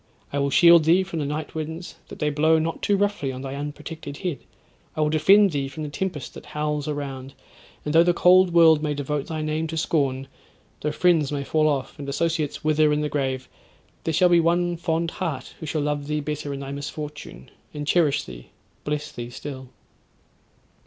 I will shield thee from the night winds, that they blow not too roughly on thy unprotected head. I will defend thee from the tempest that howls around; and though the cold world may devote thy name to scorn—though friends may fall off, and associates wither in the grave, there shall be one fond heart who shall love thee better in thy misfortune, and cherish thee, bless thee still.'